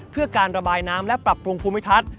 เพื่อการระบายน้ำและปรับปรุงภูมิทัศน์